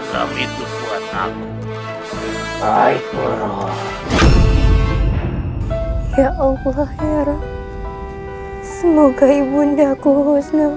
become to kuat naik berubah ya allah ya allah hai semoga ibu ndakuh examine